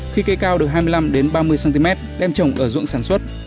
khi cây cao được hai mươi năm ba mươi cm đem trồng ở ruộng sản xuất